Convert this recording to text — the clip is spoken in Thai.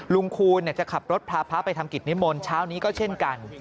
คูณจะขับรถพาพระไปทำกิจนิมนต์เช้านี้ก็เช่นกัน